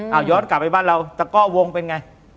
เอาย้อนกลับไปบ้านเราตะก้อวงเป็นไง